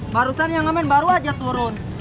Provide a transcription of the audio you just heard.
barusan yang ngamen baru aja turun